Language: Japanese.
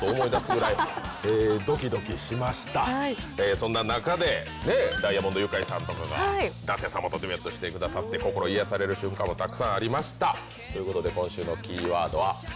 そんな中でダイアモンド☆ユカイさんとかが舘様とデュエットしてくださって、心癒やされる瞬間もたくさんありました。